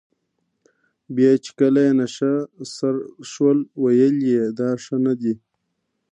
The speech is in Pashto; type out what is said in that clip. بیا چې کله یې نشه سر شول ویل یې دا ښه نه دي.